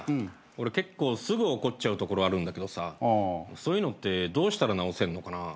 俺結構すぐ怒っちゃうところあるんだけどさそういうのってどうしたら直せんのかなぁ？